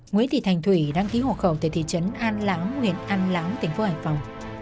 nguyễn thị thành thủy đăng ký hộ khẩu tại thị trấn an láng nguyễn an láng tp hải phòng